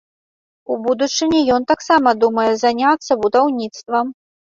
У будучыні ён таксама думае заняцца будаўніцтвам.